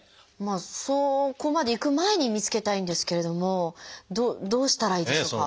そこまでいく前に見つけたいんですけれどもどうしたらいいでしょうか？